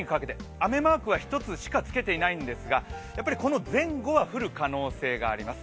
雨マークは１つしかつけていないんですが、この前後は降る可能性があります。